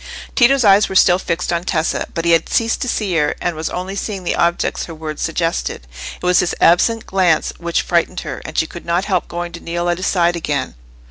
Tito's eyes were still fixed on Tessa; but he had ceased to see her, and was only seeing the objects her words suggested. It was this absent glance which frightened her, and she could not help going to kneel at his side again.